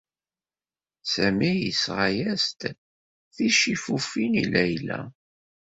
Sami yesɣa-as-d ticifufin i Layla.